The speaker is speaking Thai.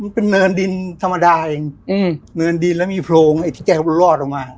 มันเป็นเนินดินธรรมดาเองอืมเนินดินแล้วมีโพรงไอ้ที่แกลอดออกมา